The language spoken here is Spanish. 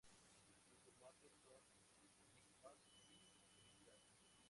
Sus formatos son Digipack y Crystal.